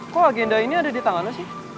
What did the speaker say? kok agenda ini ada di tangannya sih